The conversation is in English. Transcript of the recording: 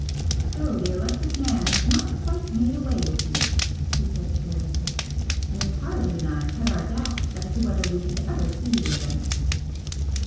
"So the electric man has not quite made away with you," he said, carelessly "Miss Harland and I had our doubts as to whether we should ever see you again!"